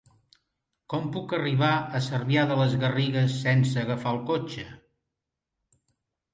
Com puc arribar a Cervià de les Garrigues sense agafar el cotxe?